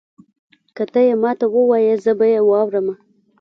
که تۀ یې ماته ووایي زه به یې واورمه.